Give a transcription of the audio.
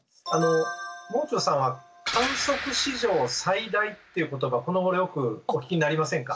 もう中さんは観測史上最大っていう言葉このごろよくお聞きになりませんか？